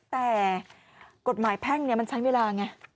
แต่กฎหมายแพ่งมันใช้เวลาไง